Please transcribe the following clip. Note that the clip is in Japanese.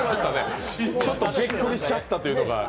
ちょっとびっくりしちゃったというのが。